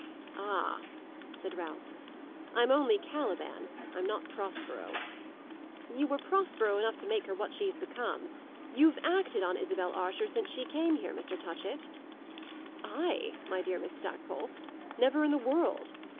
"Ah," said Ralph, "I'm only Caliban; I'm not Prospero." "You were Prospero enough to make her what she has become. You've acted on Isabel Archer since she came here, Mr. Touchett." "I, my dear Miss Stackpole? Never in the world.